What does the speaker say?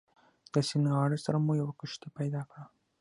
د سیند غاړې سره مو یوه کښتۍ پیدا کړه.